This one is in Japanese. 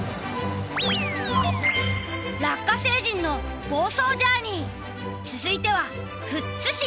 「ラッカ星人の房総ジャーニー」続いては富津市。